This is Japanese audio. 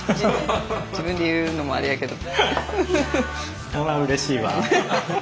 自分で言うのもあれやけど。